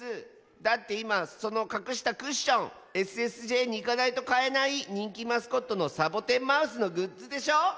だっていまそのかくしたクッションＳＳＪにいかないとかえないにんきマスコットのサボテンマウスのグッズでしょ！